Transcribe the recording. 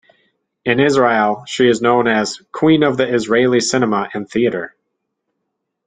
In Israel, she is known as "queen of the Israeli cinema and theatre".